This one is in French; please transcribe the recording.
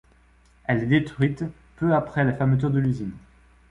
Elle est détruite peu après la fermeture de l'usine.